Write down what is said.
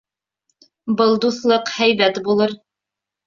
Был дуҫлыҡ һәйбәт булыр.